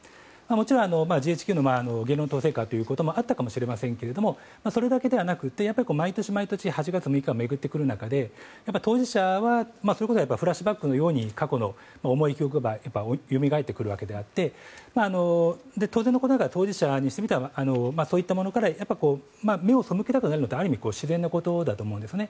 もちろん、ＧＨＱの言論統制下ということもあったと思いますがそれだけではなくて毎年、８月６日が巡ってくる中で当事者は、それこそフラッシュバックのように過去の重い記憶がよみがえってくるわけであって当然のことながら当事者にしたらそういったものから目を背けたくなるのってある意味、自然なことだと思うんです。